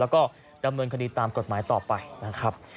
แล้วก็ดำเนินคดีตามกฎหมายต่อไปนะครับ